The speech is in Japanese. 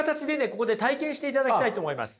ここで体験していただきたいと思います。